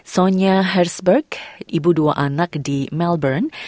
sonia herzberg ibu dua anak di melbourne